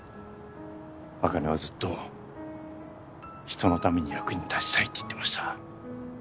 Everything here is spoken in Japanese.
アカネはずっと人のために役に立ちたいって言ってました。